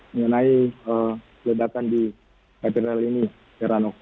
mengenai ledakan di katedral ini heranov